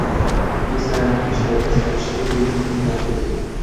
জ্বি স্যার, এমনকি স্যারের সাথেও দুই মিশনে কাজ করেছি।